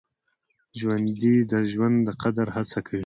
ژوندي د ژوند د قدر هڅه کوي